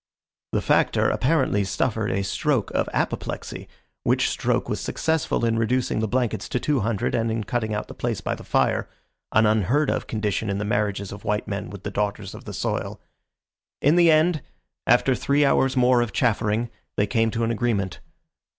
The Factor apparently suffered a stroke of apoplexy, which stroke was successful in reducing the blankets to two hundred and in cutting out the place by the fire an unheard of condition in the marriages of white men with the daughters of the soil. In the end, after three hours more of chaffering, they came to an agreement.